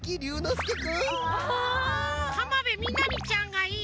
浜辺美波ちゃんがいい。